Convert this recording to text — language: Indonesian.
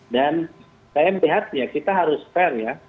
dan pmbh ya kita harus fair ya